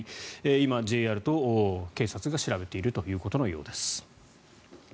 今、ＪＲと警察が調べているということのようです。